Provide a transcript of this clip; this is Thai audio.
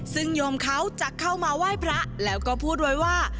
ซึ่งโยมเขาจะเข้ามาไหว้พระแล้วก็พูดไว้ว่า